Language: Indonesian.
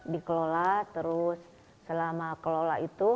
dikelola terus selama kelola itu